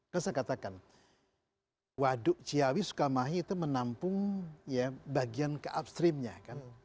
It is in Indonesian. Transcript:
kan saya katakan waduk ciawi sukamahi itu menampung ya bagian ke upstreamnya kan